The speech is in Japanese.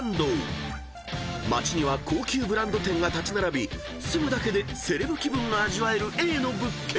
［街には高級ブランド店が立ち並び住むだけでセレブ気分が味わえるＡの物件］